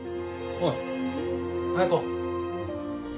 おい綾子。